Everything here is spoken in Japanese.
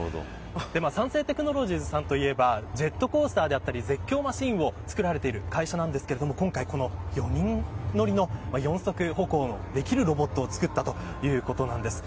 三精テクノロジーズさんといえばジェットコースターだったり絶叫マシンを作られている会社ですが今回４人乗りの、四足歩行できるロボットを作ったということなんです。